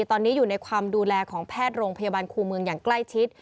ตอนนี้อยู่ในความดูแลของแพทย์โรงพยาบาลครูเมืองอย่างใกล้ชิด